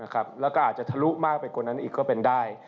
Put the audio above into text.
แล้วก็อาจจะทะลุมากไปกว่านั้นอีกก็เป็นได้